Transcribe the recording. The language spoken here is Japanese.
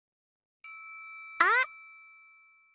あっ！